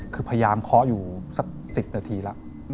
คือพยายามเคาะอยู่สัก๑๐นาทีแล้ว